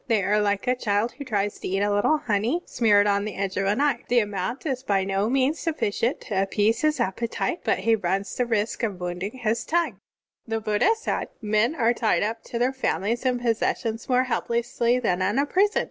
They are like a child who tries to eat a little honey smeared on the edge of a knife. The amount is by no means sufficient to appease his appetite, but he runs the risk of wotmding his tongue." (23) The Buddha said: "Men are tied up to their families and possessions more helplessly than in a prison.